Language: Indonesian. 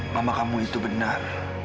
mama kamu itu benar